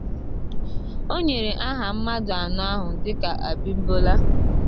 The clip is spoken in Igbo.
O nyèrè aha mmadụ anọ ahụ dịka Abimbola